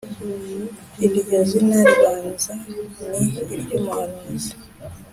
iryo zina ribanza ni iry’umuhanuzi